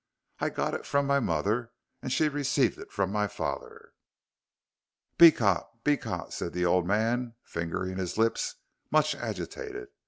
"I got it from my mother, and she received it from my father " "Beecot Beecot," said the old man, fingering his lips, much agitated.